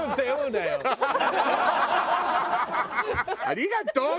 ありがとう！